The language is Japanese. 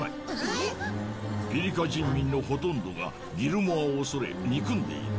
ピリカ人民のほとんどがギルモアを恐れ憎んでいる。